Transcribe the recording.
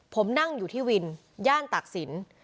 ผมนั่งอยู่ที่วินย่านตากศิลป์